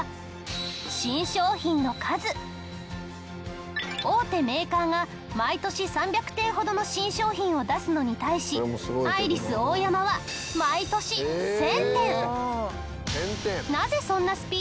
その大手メーカーが毎年３００点ほどの新商品を出すのに対しアイリスオーヤマは毎年１０００点！